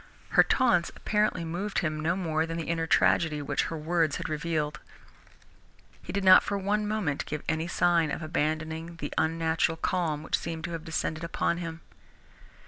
Her taunts apparently moved him no more than the inner tragedy which her words had revealed. He did not for one moment give any sign of abandoning the unnatural calm which seemed to have descended upon him.